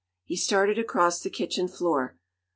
He started across the kitchen floor.